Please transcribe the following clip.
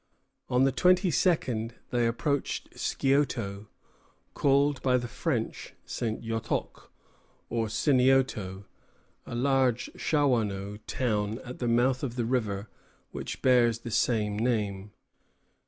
On the twenty second they approached Scioto, called by the French St. Yotoc, or Sinioto, a large Shawanoe town at the mouth of the river which bears the same name.